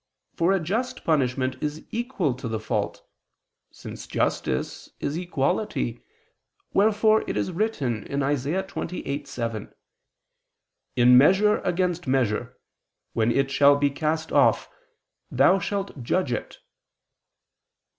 For a just punishment is equal to the fault, since justice is equality: wherefore it is written (Isa. 27:8): "In measure against measure, when it shall be cast off, thou shalt judge it."